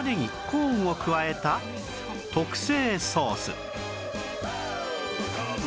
コーンを加えた特製ソース